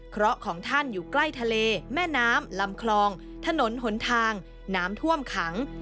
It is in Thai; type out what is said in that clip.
เพราะของท่านอยู่ใกล้ทะเลแม่น้ำลำคลองถนนหนทางน้ำท่วมขัง